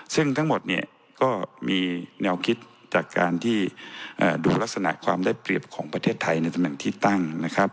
ซึ่งทั้งหมดเนี่ยก็มีแนวคิดจากการที่ดูลักษณะความได้เปรียบของประเทศไทยในตำแหน่งที่ตั้งนะครับ